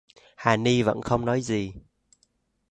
Hà ny vẫn không nói gì